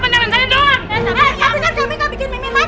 kalian kan ikut melempar